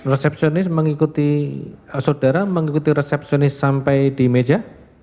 resepsionis mengikuti saudara mengikuti resepsionis sampai di meja